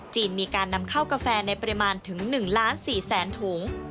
จีนมีการนำเข้ากาแฟในปริมาณถึง๑๔๐๐๐๐๐ถุง